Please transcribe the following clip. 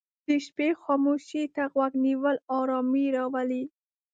د شپې خاموشي ته غوږ نیول آرامي راولي.